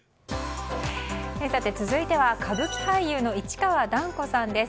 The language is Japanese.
続いては、歌舞伎俳優の市川團子さんです。